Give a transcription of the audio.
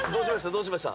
どうしました？